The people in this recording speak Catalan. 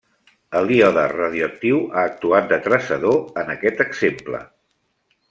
El iode radioactiu ha actuat de traçador en aquest exemple.